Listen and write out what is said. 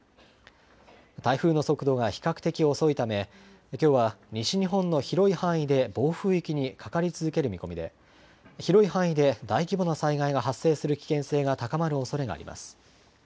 台風の速度が比較的遅いため、きょうは西日本の広い範囲で暴風域にかかり続ける見込みで、広い範囲で大規模な災害が発生する危険性が高まるおそれがあります。